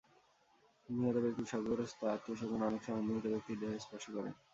নিহত ব্যক্তির শোকগ্রস্ত আত্মীয়স্বজন অনেক সময় মৃত ব্যক্তির দেহ স্পর্শ করে।